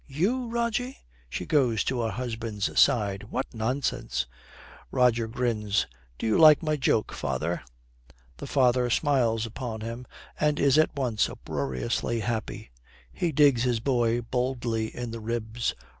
'You, Rogie!' She goes to her husband's side. 'What nonsense!' Roger grins. 'Do you like my joke, father?' The father smiles upon him and is at once uproariously happy. He digs his boy boldly in the ribs.